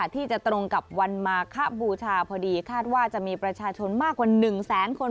ที่จะตรงกับวันมาคบูชาพอดีคาดว่าจะมีประชาชนมากกว่า๑แสนคน